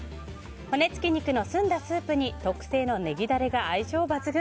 骨付き肉の澄んだスープに特製のネギダレが相性抜群。